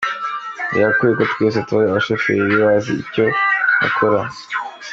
Birakwiye ko twese tuba abashoferi bazi ibyo bakora.